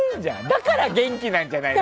だから元気なんじゃない？